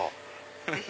ぜひ！